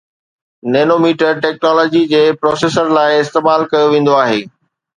Nanometer technology processors لاء استعمال ڪيو ويندو آهي